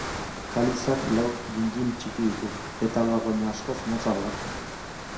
Kalizak lau gingil txiki ditu, petaloak baino askoz motzagoak.